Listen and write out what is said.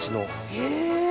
へえ！